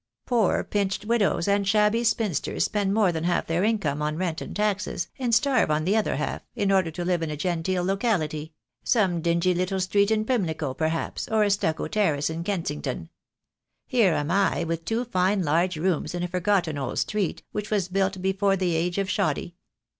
Poor pinched widows and shabby spinsters spend more than half their income on rent and taxes, and starve on the other half, in order to live in a genteel locality — some dingy little street in Pimlico perhaps, or a stucco terrace in Kensington. Here am I with two fine large rooms in a forgotten old street, which was built before the age of shoddy.